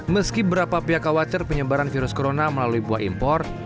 meski beberapa pihak khawatir penyebaran virus corona melalui buah impor